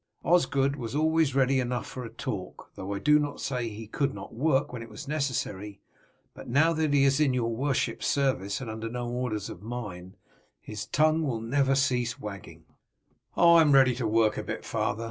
Osgod was always ready enough for a talk, though I do not say he could not work when it was necessary, but now that he is in your worship's service and under no orders of mine, his tongue will never cease wagging." "Oh, I am ready to work a bit, father.